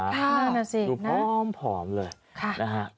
ค่ะนั่นสินะดูพร้อมเลยค่ะนะฮะ